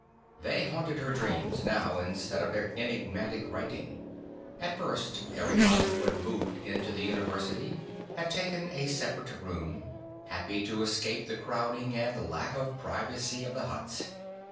They haunted her dreams, now, instead of their enigmatic writing. At first, everybody who had moved into the University had taken a separate room, happy to escape the crowding and lack of privacy of the huts.